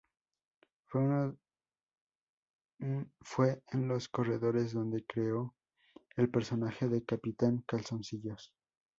Fue en los corredores donde creó el personaje de Capitán Calzoncillos.